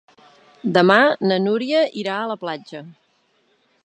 Demà na Núria irà a la platja.